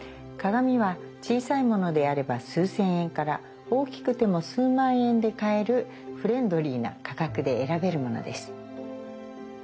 鏡は小さいものであれば数千円から大きくても数万円で買えるフレンドリーな価格で選べるものです。